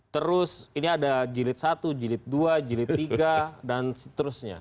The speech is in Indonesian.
terus ini ada jilid satu jilid dua jilid tiga dan seterusnya